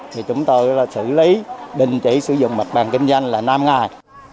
thì chúng tôi xử lý đình chỉ sử dụng mặt bằng kinh doanh là năm ngày